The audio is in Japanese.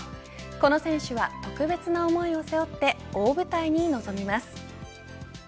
この選手は特別な思いを背負って大舞台に臨みます。